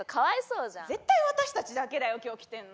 絶対私たちだけだよ今日来てるの。